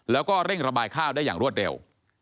แล้วก็เร่งระบายข้าวได้อย่างรวดเร็ว